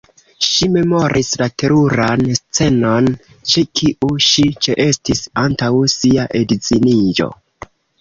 Ŝi memoris la teruran scenon, ĉe kiu ŝi ĉeestis antaŭ sia edziniĝo.